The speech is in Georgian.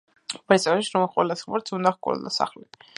ბერძნებს სჯეროდათ, რომ ყველა ღმერთს უნდა ჰქონოდა სახლი.